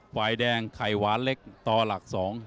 ฝ่ายแดงไขว้าเล็กตหลัก๒